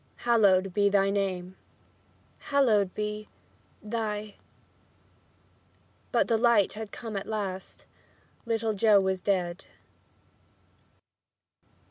"Hallowed be thy name." "Hallowed be thy " But the light had come at last. Little Joe was dead.